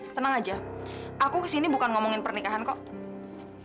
tenang aja aku kesini bukan ngomongin pernikahan kok